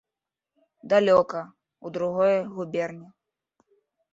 Далёка, у другой губерні.